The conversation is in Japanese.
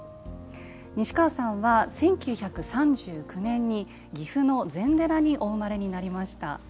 西川さんは、１９３９年に岐阜の禅寺にお生まれになりました。